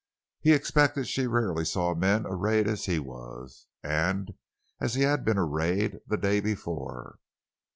He expected she rarely saw men arrayed as he was—and as he had been arrayed the day before.